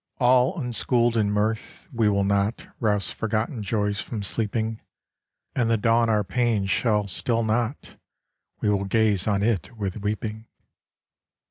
All unschooled in mirth we will not Rouse forgotten joys from sleeping ; And the dawn our pain shall still not : We will gaze on it with weeping.